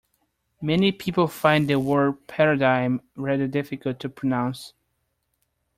Many people find the word paradigm rather difficult to pronounce